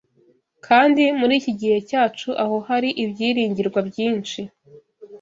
Kandi muri iki gihe cyacu aho hari ibyiringirwa byinshi